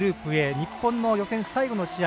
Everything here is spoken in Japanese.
日本の予選最後の試合。